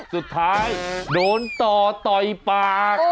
สุดท้ายโดนต่อต่อยปาก